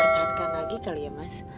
masih dipertahankan lagi kali ya mas